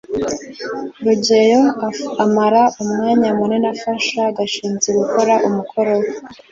rugeyo amara umwanya munini afasha gashinzi gukora umukoro we